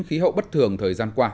khí hậu bất thường thời gian qua